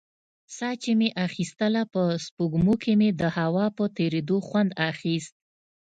ساه چې مې اخيستله په سپږمو کښې مې د هوا په تېرېدو خوند اخيست.